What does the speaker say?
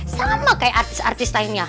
sama kayak artis artis lainnya